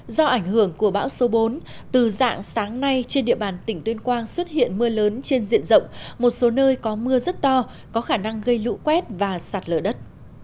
do ảnh hưởng của bão số bốn từ dạng sáng nay trên địa bàn tỉnh tuyên quang xuất hiện mưa lớn trên diện rộng một số nơi có mưa rất to có khả năng gây lũ quét và sạt lở đất